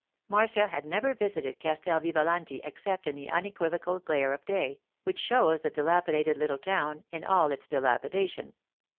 Marcia had never visited Castel Vivalanti except in the unequivocal glare of day, which shows the dilapidated little town in all its dilapidation.